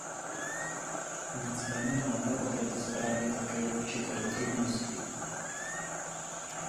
Nicméně máme o této zprávě také určité pochybnosti.